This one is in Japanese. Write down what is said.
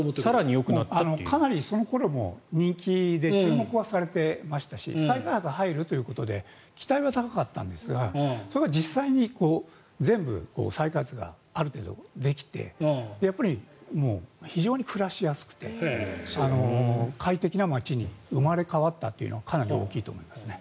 かなりその頃も人気で、注目はされていましたし再開発が入るということで期待は高かったんですがそこが実際に再開発がある程度、できて非常に暮らしやすくて快適な街に生まれ変わったというのがかなり大きいと思いますね。